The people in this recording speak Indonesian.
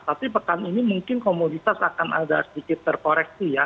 tapi pekan ini mungkin komoditas akan ada sedikit terkoreksi ya